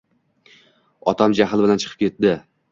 Otam jahl bilan chiqib ketdi.